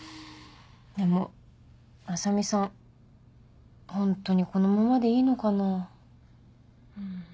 でも浅海さんホントにこのままでいいのかな？